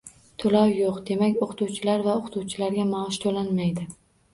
To'lov yo'q, demak o'qituvchilar va o'qituvchilarga maosh to'lanmaydi